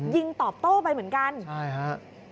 ยิงตอบโต้ไปเหมือนกันใช่ฮะ